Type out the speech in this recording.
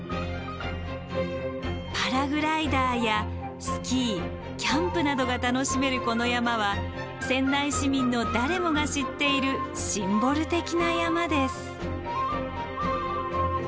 パラグライダーやスキーキャンプなどが楽しめるこの山は仙台市民の誰もが知っているシンボル的な山です。